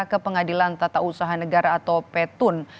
ke pengadilan tata usaha negara atau petun